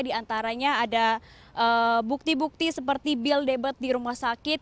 di antaranya ada bukti bukti seperti bil debat di rumah sakit